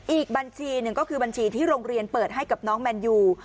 อีกบัญชีหนึ่งก็คือบัญชีที่โรงเรียนเปิดให้กับน้องแมนยู